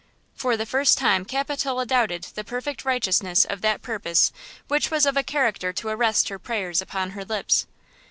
For the first time Capitola doubted the perfect righteousness of that purpose which was of a character to arrest her prayers upon her lips.